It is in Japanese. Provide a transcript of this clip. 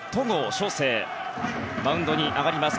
翔征マウンドに上がりました。